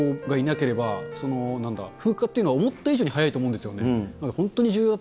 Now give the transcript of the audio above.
駿君みたいな子がいなければ、風化っていうのは、思った以上に早いと思うんですよ。